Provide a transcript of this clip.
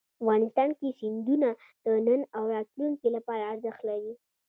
افغانستان کې سیندونه د نن او راتلونکي لپاره ارزښت لري.